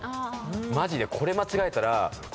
マジでこれ間違えたら。